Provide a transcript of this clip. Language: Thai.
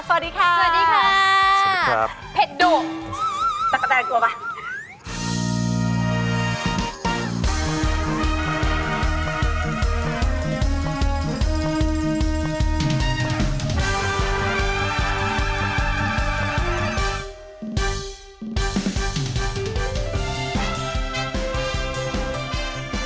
สวัสดีค่ะสวัสดีค่ะสวัสดีครับ